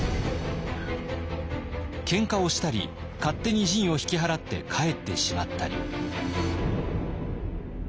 けんかをしたり勝手に陣を引き払って帰ってしまったり。